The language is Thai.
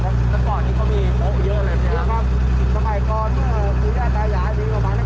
เดี๋ยวตอนนี้พี่ออกประมาณเราออกประมาณ๓๔จุ่มอีกรอบครับ